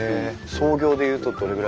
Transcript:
創業でいうとどれぐらいなんですか？